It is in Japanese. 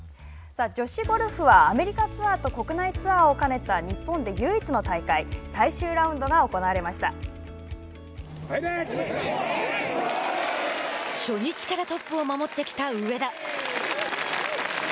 さあ、女子ゴルフはアメリカツアーと国内ツアーを兼ねた日本で唯一の大会初日からトップを守ってきた上田。